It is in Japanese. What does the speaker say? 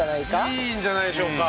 いいんじゃないでしょうか。